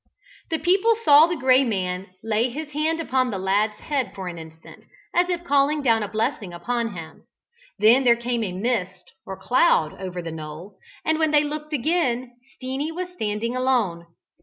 The people saw the Gray Man lay his hand upon the lad's head for an instant, as if calling down a blessing upon him; then there came a mist or cloud over the knoll, and when they looked again, Steenie was standing alone.